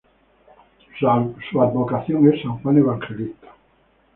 Su advocación es san Juan Evangelista.